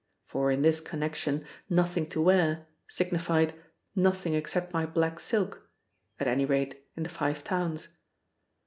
For in this connection "nothing to wear" signified "nothing except my black silk" at any rate, in the Five Towns.